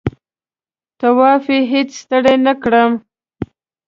طواف یې هېڅ ستړی نه کړم.